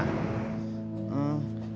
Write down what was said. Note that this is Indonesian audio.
kamu di mana